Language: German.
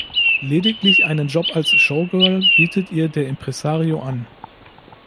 Lediglich einen Job als Showgirl bietet ihr der Impresario an.